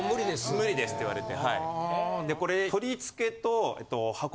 無理ですって言われて。